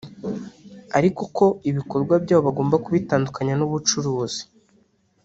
ariko ko ibikorwa byabo bagomba kubitandukanya n’ubucuruzi